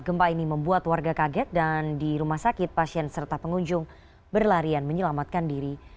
gempa ini membuat warga kaget dan di rumah sakit pasien serta pengunjung berlarian menyelamatkan diri